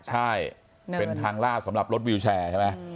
ใช่เป็นทางลาดสำหรับรถวิวแชร์ใช่ไหม